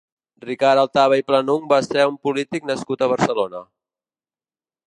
Ricard Altaba i Planuch va ser un polític nascut a Barcelona.